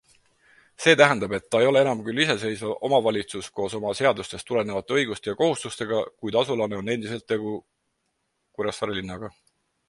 See tähendab, et ta ei ole enam küll iseseisev omavalitsus koos oma seadusest tulenevate õiguste ja kohustustega, kuid asulana on endiselt tegu Kuressaare linnaga.